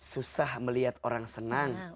susah melihat orang senang